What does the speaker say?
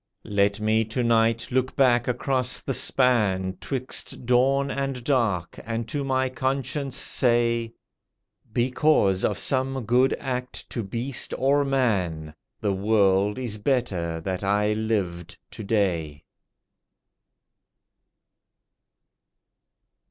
Let me to night look back across the span 'Twixt dawn and dark, and to my conscience say— Because of some good act to beast or man— "The world is better that I lived to day."